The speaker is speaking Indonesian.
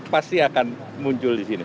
pasti akan muncul di sini